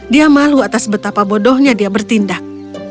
dia malu atas betapa bodohnya dia bertindak